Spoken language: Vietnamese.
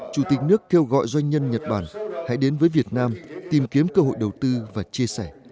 chủ tịch nước kêu gọi doanh nhân nhật bản hãy đến với việt nam tìm kiếm cơ hội đầu tư và chia sẻ